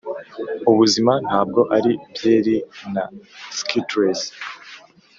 ubuzima ntabwo ari byeri na skittles